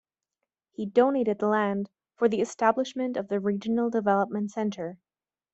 He donated the land for the establishment of the "Regional Development Center".